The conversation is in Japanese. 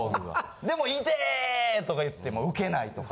でもイテー！とか言ってもウケないとか。